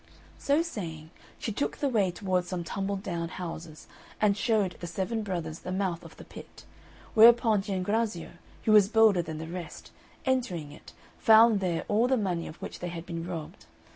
So saying, she took the way towards some tumbled down houses, and showed the seven brothers the mouth of the pit; whereupon Giangrazio, who was bolder than the rest, entering it, found there all the money of which they had been robbed.